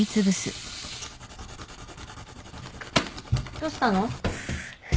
どうしたの？